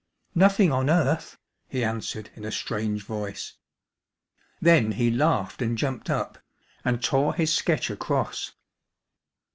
"Nothing on earth," he answered in a strange voice. Then he laughed and jumped up, and tore his sketch across.